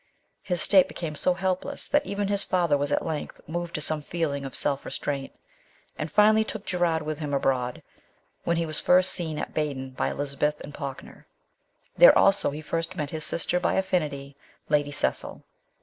His state became so helpless that even his father was at length moved to some feeling of self restraint, and finally took Gerard with him abroad, where he was first seen at Baden by Elizabeth and Falkner. There also he first met his sister by affinity, Lady Cecil.